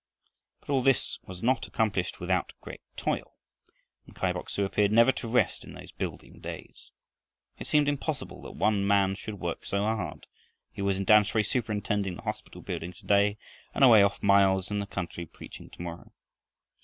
But all this was not accomplished without great toil, and Kai Bok su appeared never to rest in those building days. It seemed impossible that one man should work so hard, he was in Tamsui superintending the hospital building to day, and away off miles in the country preaching to morrow.